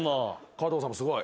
加藤さんもすごい。